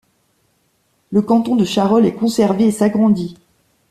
Le canton de Charolles est conservé et s'agrandit.